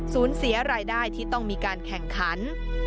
เสียรายได้ที่ต้องมีการแข่งขัน